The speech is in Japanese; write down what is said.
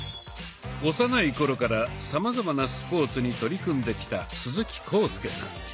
幼い頃からさまざまなスポーツに取り組んできた鈴木浩介さん。